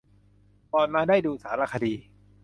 ก่อนมาได้ดูสารคดี